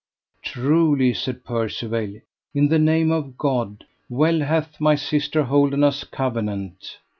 Truly, said Percivale, in the name of God, well hath my sister holden us covenant.